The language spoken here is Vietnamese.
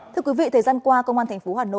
thưa quý vị thời gian qua công an tp hcm